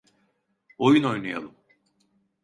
Oyun oynayalım.